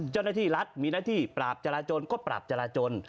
เจ้าหน้าที่รัฐมีหน้าที่ปราบจราจนก็ปราบจราจน